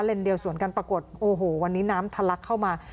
เดียวสวนกันปรากฏโอ้โหวันนี้น้ำทะลักเข้ามา